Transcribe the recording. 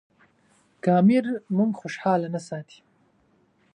که امیر موږ خوشاله نه ساتي.